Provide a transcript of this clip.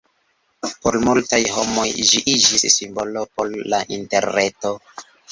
Por multaj homoj ĝi iĝis simbolo por la Interreto.